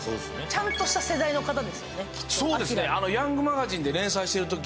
ちゃんとした世代の人ですよね、きっと。